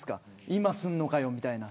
今すんのかよみたいな。